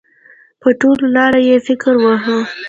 په ټوله لار یې فکر واهه.